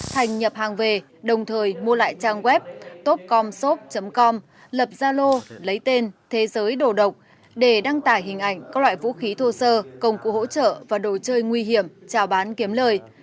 thành nhập hàng về đồng thời mua lại trang web topcomshop com lập gia lô lấy tên thế giới đồ độc để đăng tải hình ảnh các loại vũ khí thô sơ công cụ hỗ trợ và đồ chơi nguy hiểm trào bán kiếm lời